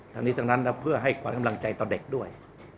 ทั้งนี้ทั้งนั้นเพื่อให้ขวัญกำลังใจต่อเด็กด้วย